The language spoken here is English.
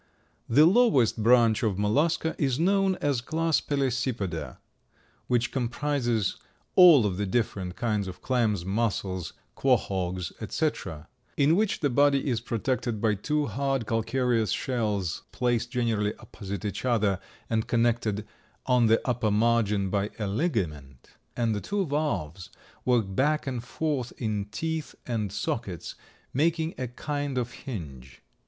The lowest branch of Mollusca is known as class Pelecypoda, which comprises all of the different kinds of clams, mussels, quahaugs, etc., in which the body is protected by two hard, calcareous shells placed, generally, opposite each other and connected on the upper margin by a ligament, and the two valves work back and forth in teeth and sockets, making a kind of hinge.